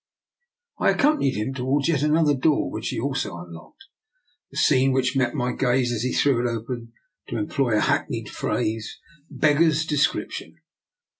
I accompanied him towards yet another door, which he also unlocked. The scene which met my gaze when he threw it open, to employ a hackneyed phrase, beggars de scription.